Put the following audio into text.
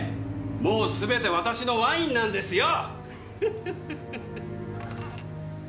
もうすべて私のワインなんですよ！